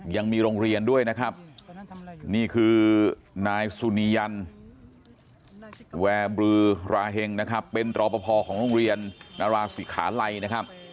ยังมีโรงเรียนด้วยนะครับนี่คือนายสุนียันแวร์บรือราเห็งนะครับเป็นรอปภของโรงเรียนนราศิขาลัยนะครับ